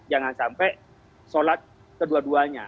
jangan sampai sholat kedua duanya